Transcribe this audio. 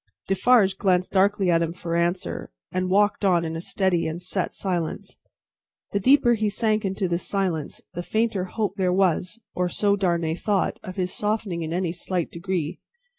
Defarge glanced darkly at him for answer, and walked on in a steady and set silence. The deeper he sank into this silence, the fainter hope there was or so Darnay thought of his softening in any slight degree.